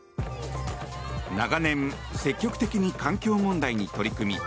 長年、積極的に環境問題に取り組み